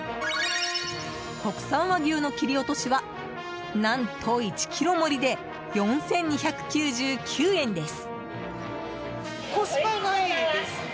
国産和牛の切り落としは何と１ｋｇ盛りで４２９９円です。